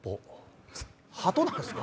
鳩なんすか？